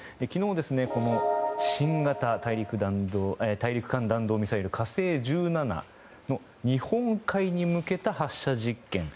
昨日、新型大陸間弾道ミサイル「火星１７」の日本海に向けた発射実験